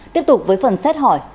tiếp tục với phần xét hỏi